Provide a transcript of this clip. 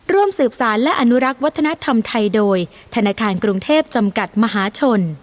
ร่วมสืบสารและอนุรักษ์วัฒนธรรมไทยโดยธนาคารกรุงเทพจำกัดมหาชน